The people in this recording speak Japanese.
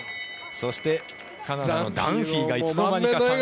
そしてカナダのダンフィーがいつの間にか。